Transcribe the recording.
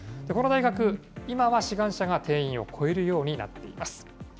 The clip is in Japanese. この大学、今は志願者が定員を超えるようになっています。